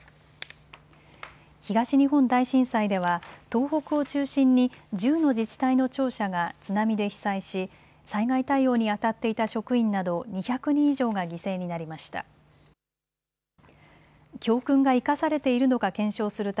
東日本大震災では東北を中心に１０の自治体の庁舎が津波で被災し災害対応にあたっていた職員など２００人以上が犠牲になりました。